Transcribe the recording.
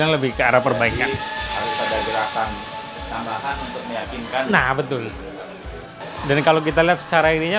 langsung yang mulai melakukan filingkan berangkatan kerja sama santai udah k favored down guys